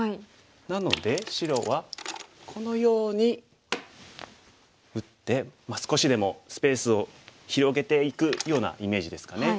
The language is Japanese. なので白はこのように打って少しでもスペースを広げていくようなイメージですかね。